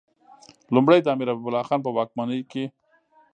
لومړی د امیر حبیب الله خان په واکمنۍ کې.